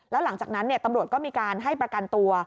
แล้วหลังจากนั้นตำรวจก็มีการให้ประกันตัว